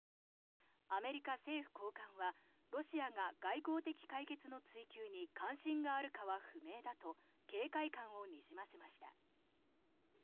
アメリカ政府高官はロシアが外交的解決の追求に関心があるかは不明だと警戒感をにじませました。